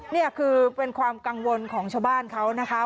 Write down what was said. นี่คือเป็นความกังวลของชาวบ้านเขานะคะ